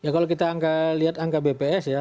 kalau kita lihat angka bps ya